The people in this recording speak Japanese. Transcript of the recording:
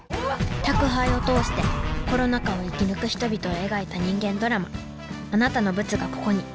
宅配を通してコロナ禍を生き抜く人々を描いた人間ドラマ「あなたのブツが、ここに」